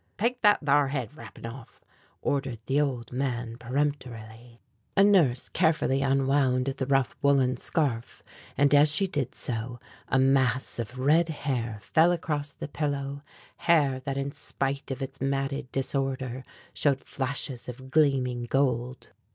"Take that thar head wrappin' off!" ordered the old man peremptorily. A nurse carefully unwound the rough woolen scarf and as she did so a mass of red hair fell across the pillow, hair that in spite of its matted disorder showed flashes of gleaming gold.